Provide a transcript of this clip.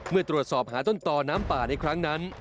เมื่อตรวจสอบหาต้นตอน้ำป่าในครั้งนั้น